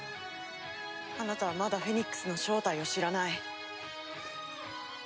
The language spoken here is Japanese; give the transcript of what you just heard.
あなたはまだフェニックスの正体を知らない。